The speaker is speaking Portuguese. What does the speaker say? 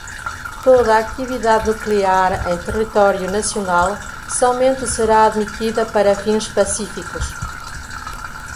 toda atividade nuclear em território nacional somente será admitida para fins pacíficos